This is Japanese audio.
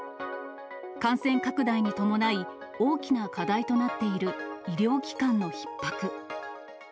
感染拡大に伴い、大きな課題となっている医療機関のひっ迫。